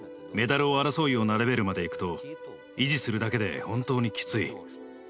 メダルを争うようなレベルまでいくと維持するだけで本当にキツイ。